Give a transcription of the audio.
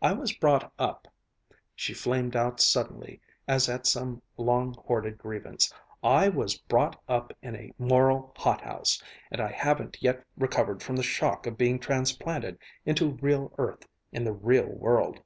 I was brought up" she flamed out suddenly as at some long hoarded grievance "I was brought up in a moral hot house, and I haven't yet recovered from the shock of being transplanted into real earth in the real world."